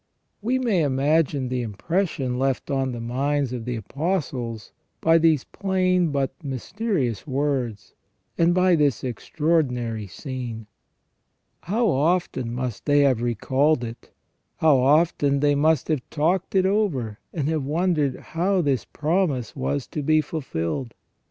We may imagine the impression left on the minds of the Apostles by these plain but mysterious words, and by this extra ordinary scene. How often must they have recalled it ! How often they must have talked it over, and have wondered how this promise was to be fulfilled